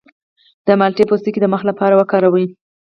د مالټې پوستکی د مخ لپاره وکاروئ